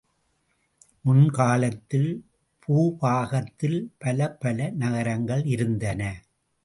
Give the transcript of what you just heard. முன் காலத்தில், பூபாகத்தில் பலப் பல நகரங்கள் இருந்தன.